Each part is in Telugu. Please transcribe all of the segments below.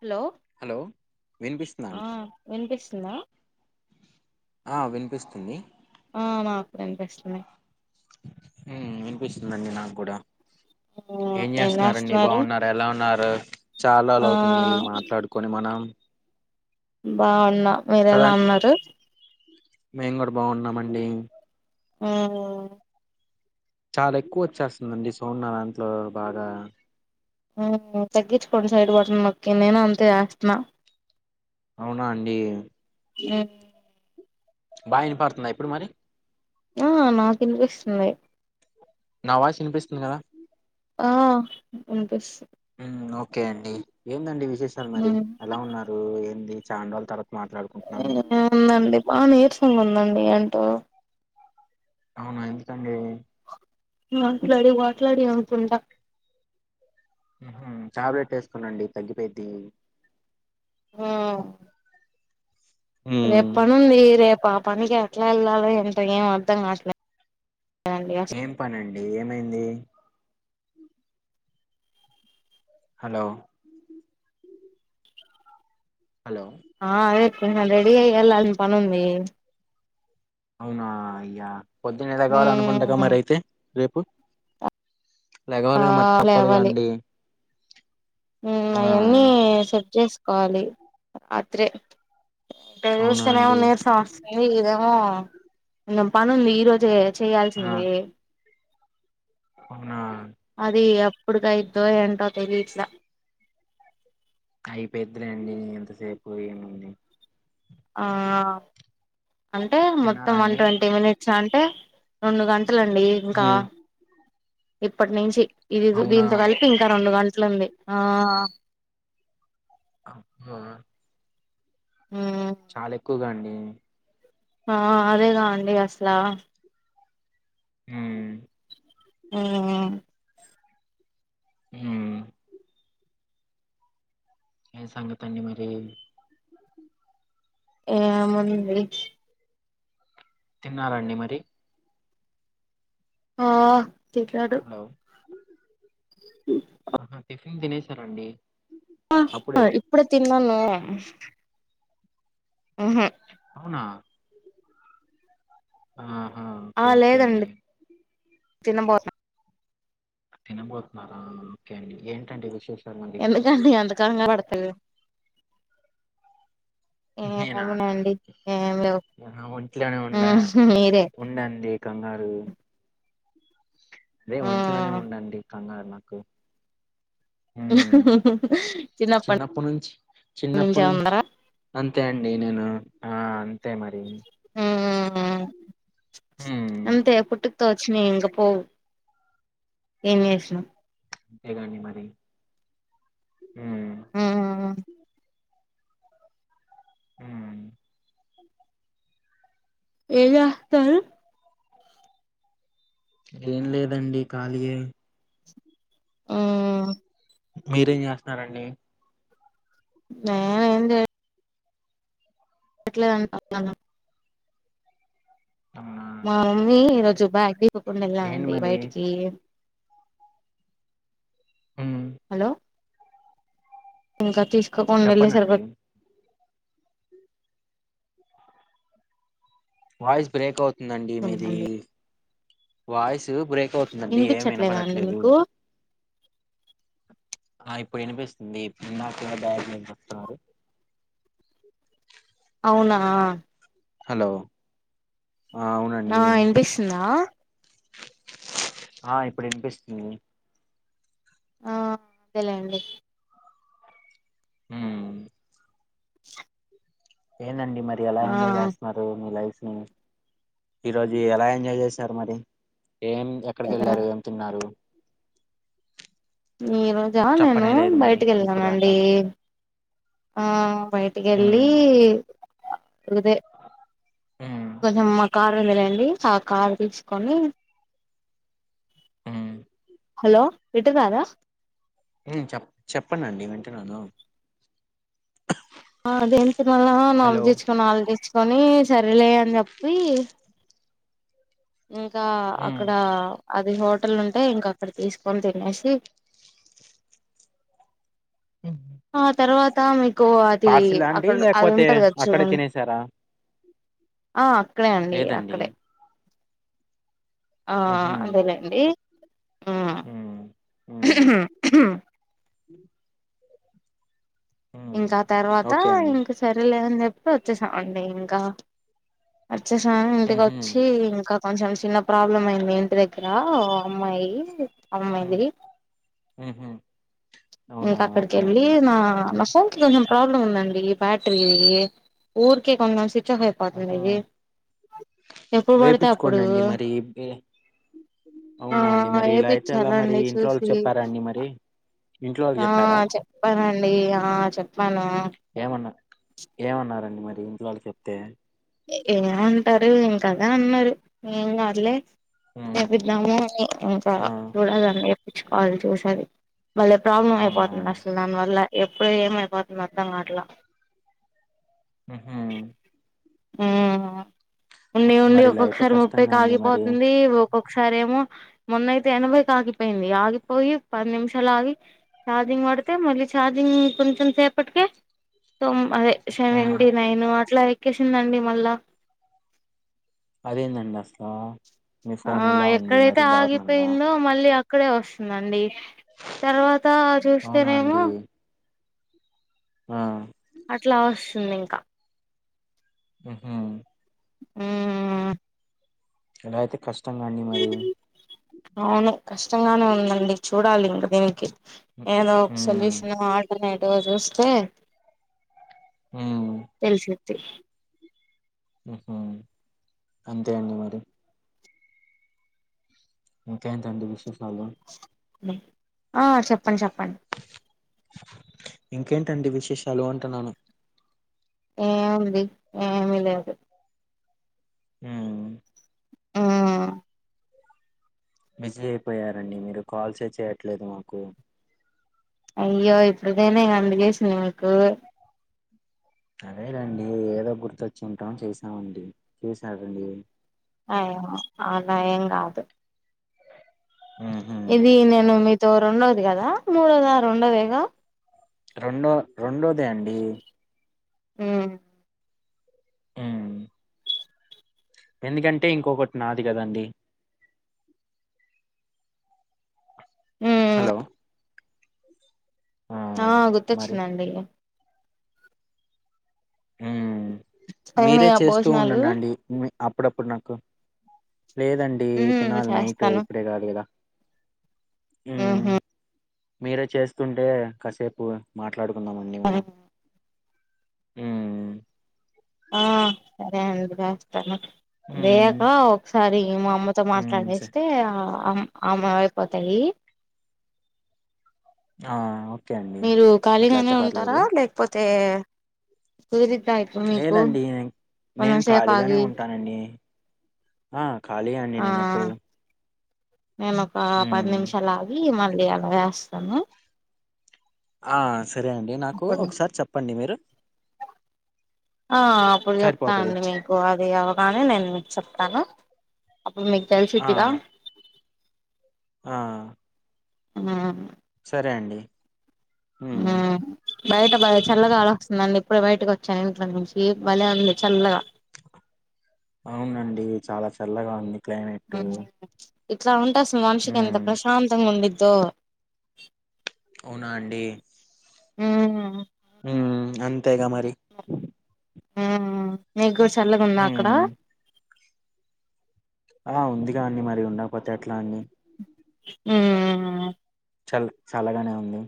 హలో హలో వినిపిస్తుందా ఆ అండి వినిపిస్తుందా అ వినిపిస్తుంది ఆ మాకుడ నిపిస్తుంది హ్మ్ వినిపిస్తుందండి నాకు కూడా ఆ ఏం చేస్తున్నారుడి చేస్తున్నారు బాగున్నారు ఎలా ఉన్నారు అ చాలా అలా ఆ అవుతుంది మాట్లాడుకొని మనం బాగున్నా మీర కదా ఎలా ఉన్నారు మేము కూడా బాగున్నామండి ఆ చాలా ఎక్కువ వచ్చేస్తుందండి సోన్న దాంట్లో బాగా ఆ తగ్గించుకోండి సైడ్ బటన్ నొకి నేను అంతే చేస్తున్నా అవునా అండి మ్మ్ బా యినపడుతున్నా ఇప్పుడు మరి ఆ నాకు ఇనిపిస్తుంది నా వాయిస్ వినిపిస్తుంది కదా ఆ వినిపిస్ మ్మ్ ఓకే అండి ఎందండి వి విశేషాలు మరి ఎలా ఉన్నారు ఏంది చాన్ రోజులు తర్వాత్ అవునండి బా నీరసంగా ఉన్ ఉందండి అంటూ అవునా ఎందుకండి మాట్లాడి వా మాట్లాడి అనుకుంటా టాబ్లెట్ వేసుకోనండి తగ్గిపోద్ది ఆ రేపు ఉమ్ పని ఉంది రేపు ఆ పనికి ఎట్లా వెళ్ళాలి ంట ఏం అర్తం కాట్లే ఏం పనండి ఏమైంది హలో హలో ఆ అదే రెడీ అయి వెళ్ళాలి పనుంది అవునా అయ్యా పొద్దున్న లెగవాలి అనుకుంట [unintelligible] ఉమ్ మరి అయితే రేపు ఆ లెగవాలిగా మరి తప్పదుగా అండి మ్మ్ ఆ అయన్నీ సబ్ చేస్త ఖాలి అత్రే అవునా లేస్తనే అండి ఉన్నాయి సార్స్ [unintelligible] ఇదేమో కొంచం పనుంది ఈరోజు ఆ చేయాల్సిందే అవునా ఎప్పుడుకైద్దో ఏంటో తెలియట్లా అయిపెద్దిలేండి ఎంతసేపు ఏముంది ఆ అంటే మొత్తం తిన్నారా వన్ అండి ట్వంటీ మినిట్స్ అంటే రెండు గంట అతలేండి ఇంకా ఉమ్ ఇప్పటి నుంచి ఇది దు అవునా దీంతో కలిపి ఇంకా రెండు గంటలు అట్లుంది ఆ అబ్బో ఉమ్ చాలై కువండి ఆ అదేగా అండి అసలా హ్మ్ ఆహా హ్మ్ ఏం సంగతి అండి మరి ఏముంది తిన్నారండి మరి ఆ తిట్లాడ్రు ఊ ఆహా టిఫిన్ తినేసారండి ఆ అ అప్పుడే ఇప్పుడే తిన్నాను ఉహు అవునా ఆ ఓకే ఓకే అండి తిన్నం బోస తినబోతున్నారా ఓకే అండి ఏంటండి విశేష ఎందుకండి అంత కంగారు పడుతరు నేనా ఏమున్నాయండి ఏం లేవు నా ఒంట్లోనే ఉండ ఉహు మీరే ఉండంది కంగారు అదే ఆ ఒంట్లోనే ఉండండి కంగారు నాకు ఉమ్ చిన్నప్పటి నుంచి చిన్నప్పటి నుంచి నుంచేవుందరా అంతే అండి నేను ఆ అంతే మరి ఆ ఉమ్ అంతే పుట్క్ తో వచ్చినయి ఇంక పోవు ఏం చేసిన అంతే కాండి మరి హ్మ్ ఉమ్ ఊహు ఏం చేస్తారు ఏం లేదండి ఖాళీయే ఆ మీరేం చేస్తున్నారండి నేను ఏ ఎట్లేద అని [inaudible] ఆ మా మమ్మీ రోజు బ్యాగ్ అనుకోకుండా ఎళ్లాను ఏంటి అండి మరి బయటికి ఉమ్ హలో ఇంకా తీసు తీసుకోకుండా వెళ్ళేసరికి చెప్పండండి వాయిస్ బ్రేక్ అవు నండి మీది వచ్చండి వాయిస్ బ్రేక్ అవుతుందండి ఏం వినిపించట్లేదా అండి వినపడట్లేదు మీకు ఆ ఇప్పుడు వినిపిస్తుంది ఇందాకా ఏమో బ్యాగ్ మో చెప్తున్నారు అవునా హలో ఆ నా అవునండి వినిపిస్తుందా ఆ ఇప్పుడు వినిపిస్తుంది ఆ అదే లెండి ఊహు ఏందండి మరి ఎలా ఆ ఎంజాయ్ చేస్తున్నారు మీ లైఫ్ ఈరోజు ఎలా ఎంజాయ్ చేశారు మరి ఏం ఎక్కడికి వెళ్ళారు ఏం తిన్నారు ఈ రోజా నేను చెప్పనే లేదు మరి బయటికి ఇప్పుడు దాకా వెళ్ళానండి ఆ బయటికి ఎళ్లి ఉమ్ అదే ఉమ్ కొంచెం మా కార్ ఉంది లేండి ఆ కార్ తీసుకొని ఊహు హలో వింటన్నారా హు చెప్ప చెప్పడి అండి వింటున్నాను అదే ఏం తినాలా అని హలో ఆలోచించుకొని ఆలోచించుకొని సరేలే అని చెప్పి ఇంకా ఉమ్ అక్కడ అది హోటల్ ఉంటే అంటే ఇంక అక్కడ తీసుకొని తినేసి ఆ తర్వాత తమ కు అది పార్సిలా అండి అక్కడ అది లేకపోతే ఉంటది కదా అక్కడే చూడండి తినేసారా ఆ అక్కడే అండి లేదండి అక్కడే ఆ అలేదండి ఉ ఉ ఇంకా తర్వాత ఓకే అండి ఇంక సరేలేవని చె ఎప్ప వచ్చేశామండి ఇంకా వచ్చేసామ్ ఉహు ఇంటికొచ్చి ఇంకా కొంచెం చిన్న ప్రాబ్లం అయింది ఇంటి దగ్గరఓ అమ్మాయి ఉ అమ్మాయిది ఊహు ఇంకా అక్కడకి వెళ్ళి నా నా మనకి సోంకి ప్రాబ్లమ్ ఉందండి బ్యాటరీ ఊర్కే కొం ఆ ఎప్పుడు పడితే వేపించుకొండి అప్పుడు అండి మరి ఆ అవునా అండి మరి ఇలా అయితే అలా మరి ఏపిచ్చాలండి ఇంట్లో వాళ్ళు చూసి చెప్పారాండి మరి ఇంట్లో ఆ వాళ్ళకి చెప్పారా చెప్పనండి ఆ చెప్ప ఏమన్నా ఏమన్నారండి మరి ఇంట్లోవాళ్ళు చెప్తే ఏంనారు లే హ్మ్ చేపిద్దాము అని ఇంకా ఆ చూడాలండి చ్చుకోవాల చూసారు మళ్ళ ప్రాబ్లం అవునా అయిపోతుంది అసలు దాని వల్ల ఎప్పుడు ఏమ పాతు మర్దం కాటలా హ్మ్ హ్మ్ హ్మ్ ఉండి ఉండి మరి ఇలా అయితే ఒక్కొక్కసారి ముప్పై కష్టంగా కి అండి మరి ఆగిపోతుంది ఒకసారి ఏమో మొన్నయితే ఎనభైకి ఒక ఆగిపోయింది ఆగిపోయి పది నిమిషాలు ఆగి ఛార్జింగ్ పడితే మళ్ళీ ఛార్జింగ్ కొంచెం సేపటికే సో అదే ఆ సెవెంటీ నైను లైక్ కిసిందండి మళ్ల్ళా అదేందండిస్తా ఆ ఎక్కడైతే ఆగిపోయిందో మళ్ళీ అ క్కడే వస్తుందండి తర్వాత అవునా చూస్తేనేమో అండి ఆ అట్లా వస్తుంది ఇంకా హ్మ్ హు మ్మ్ ఎలా అయితే కష్ ష్టం గండి మరి అవును కష్టంగానే ఉందండి చూడాలి ఇంకా దీనికి ఏదో ఒక హ్మ్ సొల్యూషన్ ఆల్టర్నేట్ టు చూస్తే హ్మ్ తే హ అంతే అండి మరి ఇంకెటండి విషె హలో ఆ చెప్పండి చెప్పండి ఇంకేంటండి విశేషాలు అంటున్నాను ఏముంది ఏమీలేదు హ్మ్ ఆహా బిజీ అయిపోయారండి మీరు కాల్సే చేయట్లేదు మాకు అయ్యో ఇప్పుడునేనే కదండీ చేసింది మీకు అదే రండి ఏదో గుర్తొచ్చి ఉంటాం చేసామండి చేసారండి అ ఏమో అలా ఎం కాదు ఉ ఇది నేను మీతో రెండోది కదా మూడోదా రెండోదేగా రెండు రెండోదే అండి హు ఆ ఎందుకంటే ఇంకొకటి నాది కదండి మ్మ్ హలో ఆ మరి గుర్తొచ్చిందండి ఉ నేను మీరే ఇగ చేస్తూ భోజనాలు ఉండండండి మే అప్పుడు అప్పుడు నాకు లేదండి మ్మ్ తినాలి నైట్ చేస్తాను ఇప్పుడే కాదు కదా మ్మ్ ఆహ మీరే చేస్తుంటే కాసేపూ మాట్ ట్లడుకుందామండి మనం మ్ ఆ సరే అండి ఏస్తాను హ్మ్ వేయక ఒక్సారి మా అమ్మతో హ్మ్ స మాట్లాడేస్తే ఆ అమ్ అమ అయిపోతాయీ హా మీరు ఖాళీగానే ఉంటారా లేక్పోతే సది లేదండి నేన్ ఖాళీగానే ఆగి ఉంటానండి ఆ ఖాళీ అండి నేన్ ఎప్పుడూ నేన్ ఒకా పది నిమిషాల్ ఆగి మళ్ళీ అలా ఏస్తాను హా సరే అండి నాకు అప్పుడు ఒకసారి చెప్పండి మీరు ఆ అప్పుడు సరిపోతది చెప్తాండి మీకు అది అవగానే నేను మిక్ చెప్తాను అప్పు మీక్ ఆ తెల్సిద్దిగా ఆ [unintelligible] రే అండి మ్ హ్మ్ బయట బాగా చల్లగాల్ ఒస్తుందండి ఇప్పుడు బయటక్ వచ్చా ఇంట్లో నుంచి భలే ఉంది చల్లగా ఈ చాలా చల్లగా ఉంది క్లైమేటూ ఇట్లా ఉంట్ మనుషిక్ ఎంత ప్రశాంతంగా ఉండిద్ దో అవునాండీ ఉ అంతెేగా మరి మీకు చల్లగుందా హ్మ్ అక్కడా ఆ ఉందిగా అండి మరి ఉండపోతే ఎట్లా అండి మ్ చల్ చల్లగానే ఉంది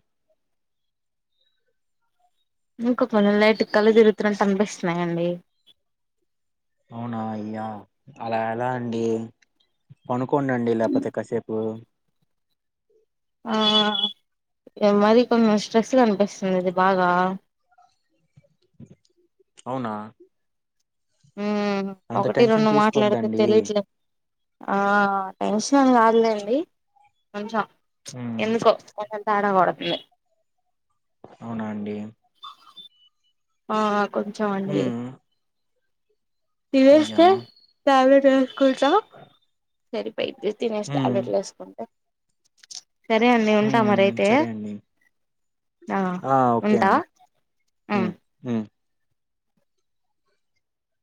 [unintelligible] లైట్ కళ్ళు తిరుగుతున్నట్టు అనిపిస్తున్నాయండి అవునా అయ్యా అలా ఎలా అండి పనుకోండండి లెపోతే కాసేపు ఆ ఏ మరి కొంచెం స్ట్రెస్ గా అనిపిస్ [unintelligible] బాగా అవునా ఉమ్మ అంత ఒకటి టెన్షన్ రెండు మాట్లాడితే తీసుకోద్దండి తెలియట్లే ఆ టెన్షన్ కాదులేండి కొంచెం ఉమ్ ఎందుకో పహెల్ తేడా కొడుతుంది అవునా అండి ఆ కొంచెం అండి ఉమ్ అయ్యా తినేస్తే టాబ్లెట్ వే కొంచెము [unintelligible] పై [unintelligible] లేసి తినేసి ఉమ్ టాబ్లెట్లేసుకుంటే సరే అండి ఉంటా ఉమ్ మరి అయితే సరే అండి ఆ ఓకే ఉంటా అండి ఉమ్